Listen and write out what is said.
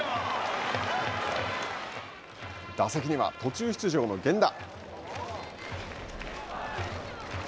打席には途中出場の源田。